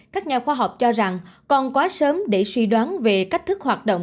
các nhà khoa học cho rằng còn quá sớm để suy đoán về cách thức hoạt động